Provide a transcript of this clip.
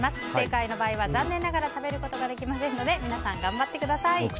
不正解の場合は残念ながら食べることができませんので皆さん頑張ってください。